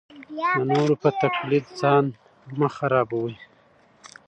د نورو په تقلید ځان مه خرابوئ.